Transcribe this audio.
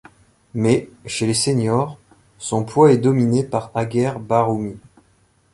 Mais, chez les seniors, son poids est dominé par Hager Barhoumi.